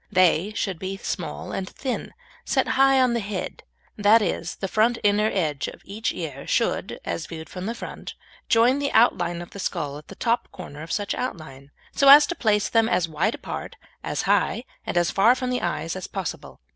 They should be small and thin, and set high on the head; that is, the front inner edge of each ear should, as viewed from the front, join the outline of the skull at the top corner of such outline, so as to place them as wide apart, as high, and as far from the eyes as possible.